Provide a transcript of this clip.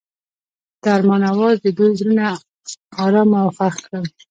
د آرمان اواز د دوی زړونه ارامه او خوښ کړل.